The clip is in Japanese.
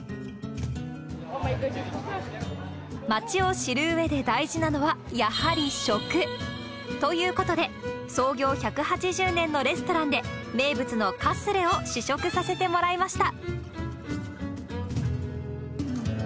町を知るうえで大事なのは、やはり食。ということで、創業１８０年のレストランで、名物のカスレを試食させてもらいました。